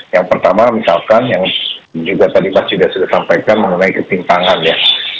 yang pertama misalkan yang juga tadi mas yuda sudah sampaikan mengenai ketimpangan ya